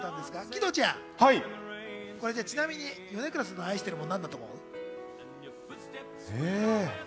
義堂ちゃん、ちなみに米倉さんの愛しているもの、何だと思う？